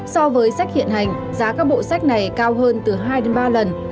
so với sách hiện hành giá các bộ sách này cao hơn từ hai đến ba lần